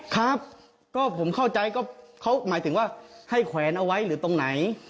ครับก็ผมเข้าใจก็เขาหมายถึงว่าให้แขวนเอาไว้หรือตรงไหน